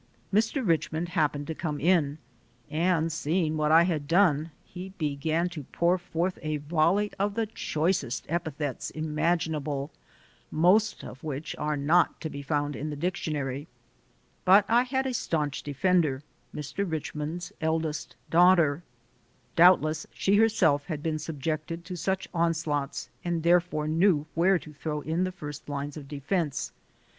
Mr. Richmond hap pened to come in, and seeing what I had done, he began to pour forth a volley of the choicest epithets imaginable, most of which are not to be found in the dictionary. But I had a staunch defender, Mr. Richmond's eldest daughter. Doubtless she herself had been subjected to such onslaughts and therefore 142 THE SOUL OF AN IMMIGRANT knew where to throw in the first lines of defense.